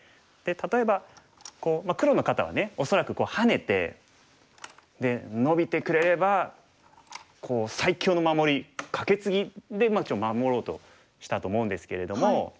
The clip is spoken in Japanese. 例えば黒の方はね恐らくハネてでノビてくれれば最強の守りカケツギで守ろうとしたと思うんですけれども。